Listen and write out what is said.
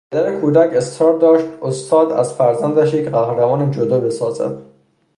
پدر کودک اصرار داشت استاد از فرزندش یک قهرمان جودو بسازد.